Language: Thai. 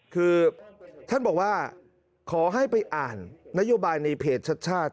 คือท่านบอกว่าขอให้ไปอ่านนโยบายในเพจชัด